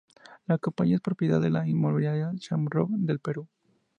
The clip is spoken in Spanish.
La compañía es propiedad de la inmobiliaria Shamrock del Perú.